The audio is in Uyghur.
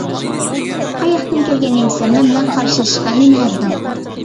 قاياقتىن كەلگەن نېمىسەن، مەن بىلەن قارشىلىشىشقا نېمە ھەددىڭ؟